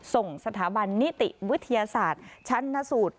ส่งสถาบันนิติวิทยาศาสตร์ชั้นนสูตร